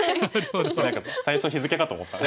何か最初日付かと思った。